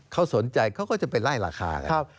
เขาสนใจเขาก็จะไปไล่ราคากัน